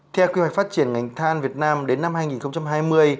theo quy hoạch phát triển ngành than việt nam đến năm hai nghìn hai mươi